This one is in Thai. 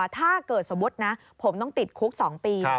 ถ้าเกิดสมมุตินะผมต้องติดคุก๒ปี